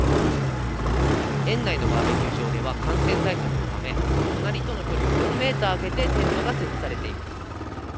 園内のバーベキュー場では、感染対策のため、隣との距離を４メーター空けて、テントが設置されています。